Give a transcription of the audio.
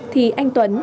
thì anh tuấn